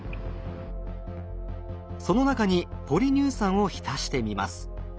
その中にポリ乳酸を浸してみます。